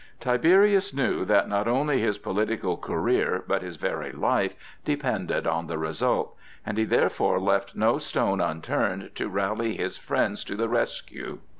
Tiberius knew that not only his political career, but his very life depended on the result, and he therefore left no stone unturned to rally his friends to the rescue.